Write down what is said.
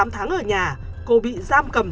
tám tháng ở nhà cô bị giam cầm